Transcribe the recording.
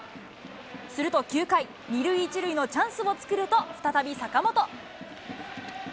すると９回、２塁１塁のチャンスを作ると、再び坂本。